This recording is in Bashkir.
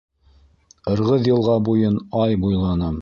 Ырғыҙ йылға буйын, ай, буйланым